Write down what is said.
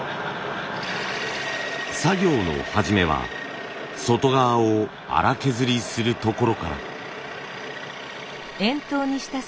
作業の初めは外側を粗削りするところから。